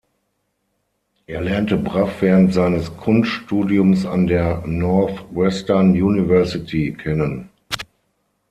Er lernte Braff während seines Kunststudiums an der Northwestern University kennen.